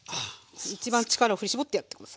一番力を振り絞ってやってます。